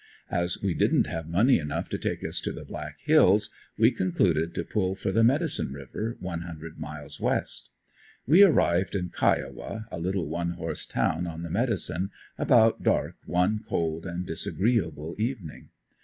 As we didn't have money enough to take us to the Black hills, we concluded to pull for the Medicine river, one hundred miles west. We arrived in Kiowa, a little one horse town on the Medicine, about dark one cold and disagreeable evening.